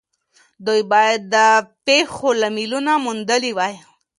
دوی بايد د پېښو لاملونه موندلي وای.